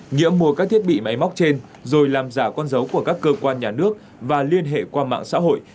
nghĩa mua các thiết bị máy móc trên rồi làm giả con dấu của các cơ quan nhà nước và liên hệ qua mạng xã hội